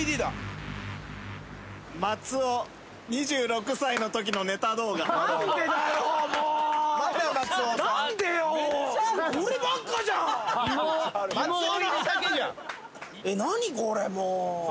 「松尾２６歳の時のネタ動画」えっ何これも。